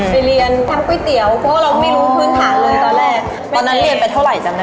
ไปเรียนทำก๋วยเตี๋ยวเพราะว่าเราไม่รู้พื้นฐานเลยตอนแรกตอนนั้นเรียนไปเท่าไหร่จำได้